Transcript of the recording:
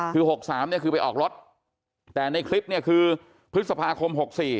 คือ๖๓เนี่ยคือไปออกรถแต่ในคลิปเนี่ยคือพฤษภาคม๖๔